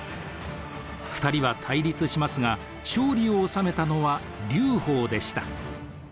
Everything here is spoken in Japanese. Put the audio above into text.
２人は対立しますが勝利を収めたのは劉邦でした。